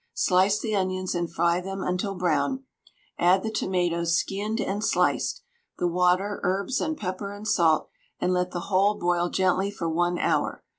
Slice the onions and fry them until brown, add the tomatoes skinned and sliced, the water, herbs, and pepper and salt, and let the whole boil gently for 1 hour.